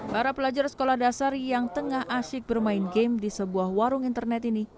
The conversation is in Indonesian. para pelajar sekolah dasar yang tengah asyik bermain game di sebuah warung internet ini